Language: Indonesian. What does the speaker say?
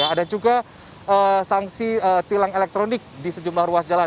ada juga sanksi tilang elektronik di sejumlah ruas jalan